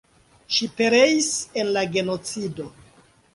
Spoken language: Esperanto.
Ŝi pereis en la genocido.